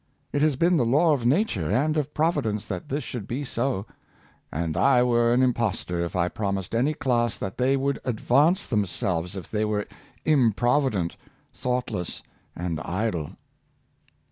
It has been the law of nature and of Providence that this should be so; and I were an impostor if I promised any class that they would advance themselves if they were improvident, thoughtless and idle."